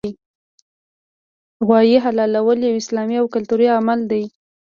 غوايي حلالول یو اسلامي او کلتوري عمل دی